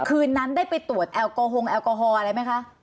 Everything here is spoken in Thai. คืนนั้นได้ไปตรวจแอลกอฮองแอลกอฮอลอะไรไหมคะ